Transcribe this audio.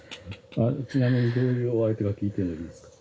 ちなみにどういうお相手か聞いてもいいですか？